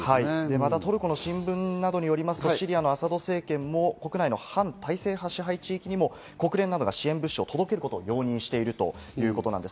またトルコの新聞によるとシリアのアサド政権も国内の反体制派支配地域にも、国連などが支援物資を届けることを容認しているということなんです。